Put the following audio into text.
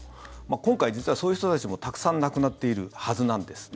今回、実はそういう人たちもたくさん亡くなっているはずなんです。